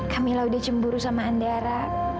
kamila sudah cemburu sama andara